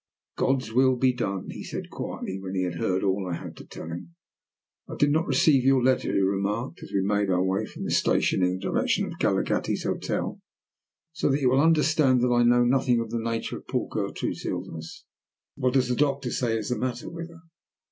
"God's will be done," he said quietly, when he had heard all I had to tell him. "I did not receive your letter," he remarked, as we made our way from the station in the direction of Galaghetti's hotel, "so that you will understand that I know nothing of the nature of poor Gertrude's illness. What does the doctor say is the matter with her?"